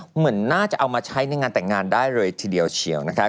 เหมือนน่าจะเอามาใช้ในงานแต่งงานได้เลยทีเดียวเชียวนะคะ